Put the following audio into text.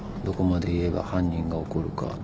どこまで言えば犯人が怒るか。